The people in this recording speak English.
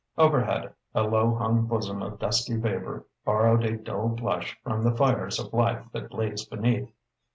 Overhead, a low hung bosom of dusky vapour borrowed a dull blush from the fires of life that blazed beneath.